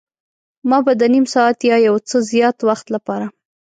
ما به د نیم ساعت یا یو څه زیات وخت لپاره.